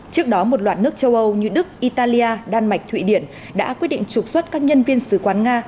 trước đó một loạt nước châu âu như đức italia đan mạch thụy điển đã quyết định trục xuất các nhân viên sứ quán nga